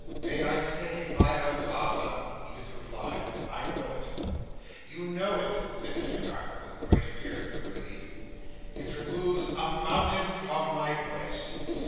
May I say by her father?" Edith replied, "I know it." "You know it!" said Mr Carker, with a great appearance of relief. "It removes a mountain from my breast.